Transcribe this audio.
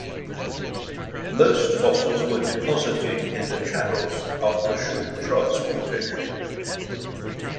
Most fossils were deposited in the channels after short transportation.